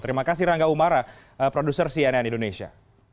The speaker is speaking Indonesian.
terima kasih rangga umara produser cnn indonesia